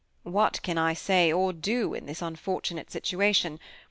What can I say, or do, in this unfortunate situation?